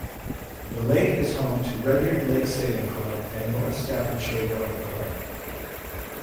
The lake is home to Rudyard Lake Sailing Club and North Staffordshire Rowing Club.